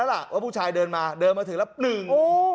ว่าว่าผู้ชายเดินมาเดินมาถึงแล้วนึง